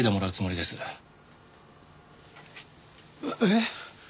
えっ？